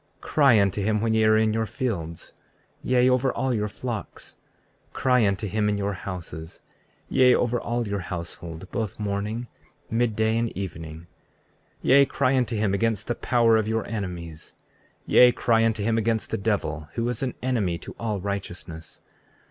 34:20 Cry unto him when ye are in your fields, yea, over all your flocks. 34:21 Cry unto him in your houses, yea, over all your household, both morning, mid day, and evening. 34:22 Yea, cry unto him against the power of your enemies. 34:23 Yea, cry unto him against the devil, who is an enemy to all righteousness.